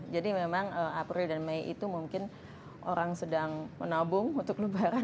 jadi memang april dan mei itu mungkin orang sedang menabung untuk lembaran